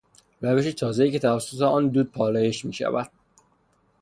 روش تازهای که توسط آن دود پالایش میشود.